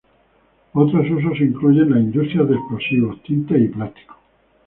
Otros usos incluyen las industrias de explosivos, tintes y plásticos.